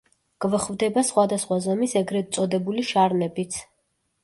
გვხვდება სხვადასხვა ზომის ეგრედ წოდებული შარნებიც.